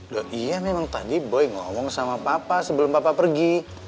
loh iya memang tadi boy ngomong sama papa sebelum papa pergi